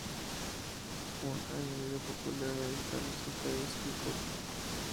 Un añadido popular a esta receta es el coco.